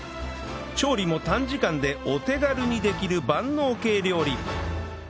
調理も短時間でお手軽にできる万能系料理